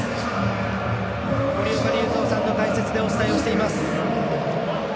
森岡隆三さんの解説でお伝えをしています。